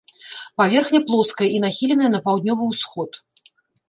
Паверхня плоская і нахіленая на паўднёвы ўсход.